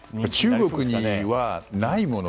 中国にはないもの